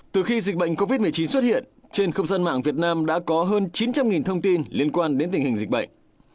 từ khi dịch bệnh covid một mươi chín xuất hiện trên không gian mạng việt nam đã có hơn chín trăm linh thông tin liên quan đến tình hình dịch bệnh